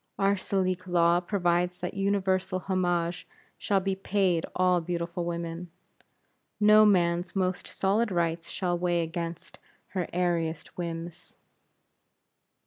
Our Salique Law provides that universal homage shall be paid all beautiful women. No man's most solid rights shall weigh against her airiest whims.